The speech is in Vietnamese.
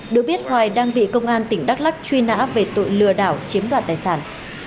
được biết hoài đang bị công an tỉnh đắk lắc truy nã về tội lừa đảo chiếm đoạt tài sản